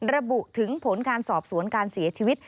ระบุถึงผลการสอบสวนการเสียชีวิต